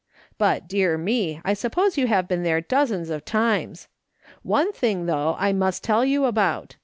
But, dear me ! I suppose you have been there dozens of times. One thing, though, I must tell you about.